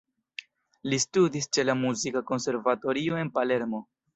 Li studis ĉe la muzika konservatorio en Palermo.